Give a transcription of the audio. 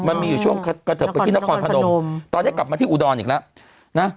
มันมีอยู่ช่วงกระเทิบไปที่นครพนมตอนนี้กลับมาที่อุดรอีกแล้วนะ